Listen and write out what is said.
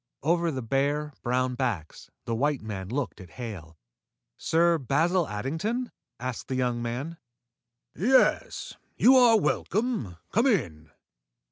Over the bare, brown backs, the white man looked at Hale. "Sir Basil Addington?" asked the young man. "Yes. You are welcome. Come in."